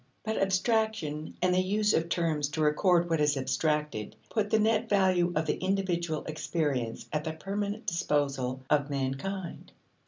But abstraction and the use of terms to record what is abstracted put the net value of individual experience at the permanent disposal of mankind.